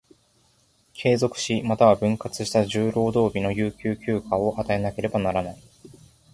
継続し、又は分割した十労働日の有給休暇を与えなければならない。